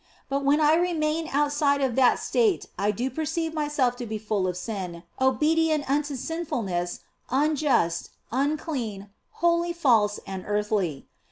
But when I remain outside of that state I do perceive myself to be full of sin, obedient unto sinfulness, unjust, unclean, wholly false and earthly.